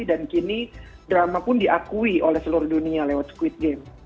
dan kini drama pun diakui oleh seluruh dunia lewat squid game